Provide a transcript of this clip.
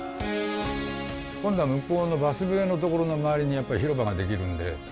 今度は向こうのバス停の所の周りにやっぱり広場ができるんで。